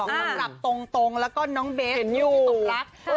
น้องหลับตรงแล้วก็น้องเบสที่ตกรัก